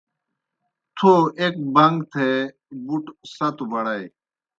تھو ایْک بݩگ تھے بُٹوْ ستوْ بڑائے۔